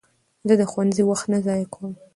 زه د ښوونځي وخت نه ضایع کوم.